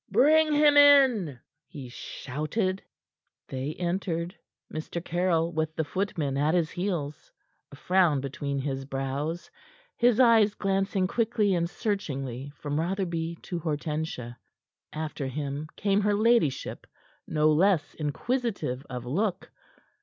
"Bring him in!" he shouted. They entered Mr. Caryll with the footmen at his heels, a frown between his brows, his eyes glancing quickly and searchingly from Rotherby to Hortensia. After him came her ladyship, no less inquisitive of look.